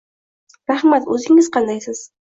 Rahmat, o'zingiz qandaysiz?